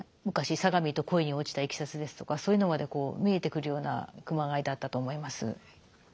昔相模と恋に落ちたいきさつですとかそういうのまで見えてくるような熊谷だったと思います。